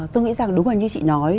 tôi nghĩ rằng đúng là như chị nói